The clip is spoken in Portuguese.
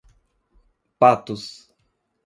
Patos